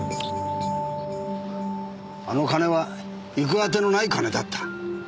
あの金は行くあてのない金だった。